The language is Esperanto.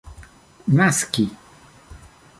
naski